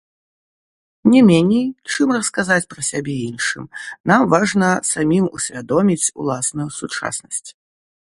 Не меней, чым расказаць пра сябе іншым, нам важна самім усвядоміць уласную сучаснасць.